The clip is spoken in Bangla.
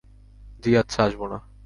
জ্বি আচ্ছা, আসব না।